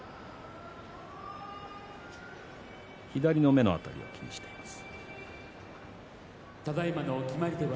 左の目の辺りを気にしています